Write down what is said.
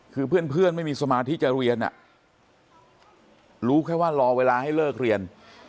คือเพื่อนไม่มีสมาธิจะเรียนรู้แค่ว่ารอเวลาให้เลิกเรียน